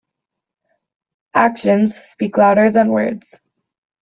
Actions speak louder than words.